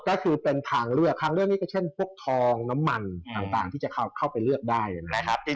ก็คือเป็นทางเลือกทางเลือกนี้ก็เช่นพวกทองน้ำมันต่างที่จะเข้าไปเลือกได้นะครับ